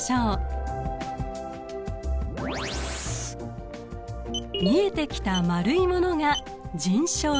見えてきた丸いものが腎小体。